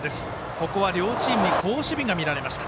ここは両チームに好守備が見られました。